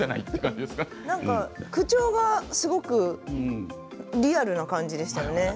口調がすごくリアルな感じですよね。